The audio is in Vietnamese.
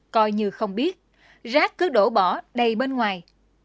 coi như không biết rác cứ đổ bỏ đầy bên ngoài